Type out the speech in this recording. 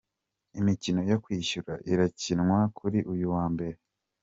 Imikino yo kwishyura irakinwa kuri uyu wa Mbere.